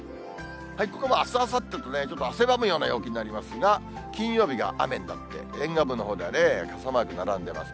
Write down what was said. ここもあす、あさってとちょっと汗ばむような陽気になりますが、金曜日が雨になって、沿岸部のほうでは傘マーク並んでます。